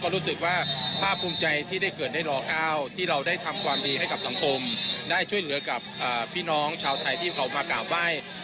ด้านนายก์กลีสรกรฉันทะพประที